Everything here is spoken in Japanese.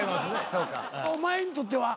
お前にとっては？